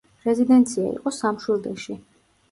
რეზიდენცია იყო სამშვილდეში.